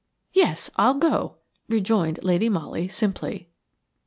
"Yes, I'll go!" rejoined Lady Molly, simply.